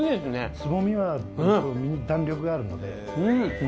つぼみは身に弾力があるので。